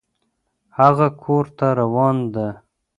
هغه کور ته روان ده